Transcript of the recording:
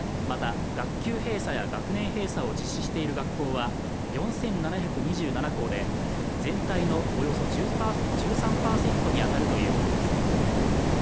また学級閉鎖や学年閉鎖を実施している学校は４７２７校で全体のおよそ１３％に当たるということです